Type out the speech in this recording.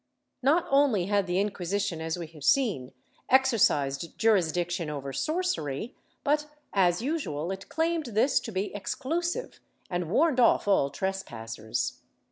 ^ Not only had the Inquisition, as we have seen, exercised juris diction over sorcery, but as usual it claimed this to be exclusive and warned off all trespassers.